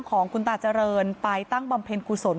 เห็นแล้วสงสารสงเวศเกิน